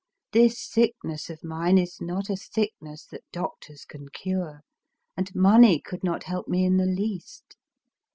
This sickness of mine is not a sickness that doctors can cure ; and money could not help me in the least.